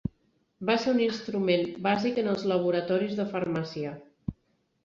Va ser un instrument bàsic en els laboratoris de farmàcia.